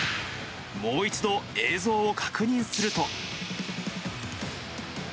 もう一度、映像を確認すると。